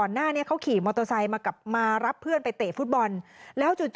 ก่อนหน้านี้เขาขี่มอเตอร์ไซด์มารับเพื่อนไปเตะฟุตบอล